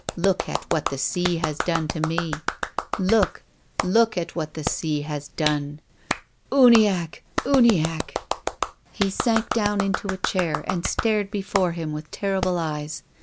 Look at what the sea has done to me ! Look — look at what the sea has done !'— Uniacke ! Uniacke !" He sank down into a chair and stared before him with terrible eyes.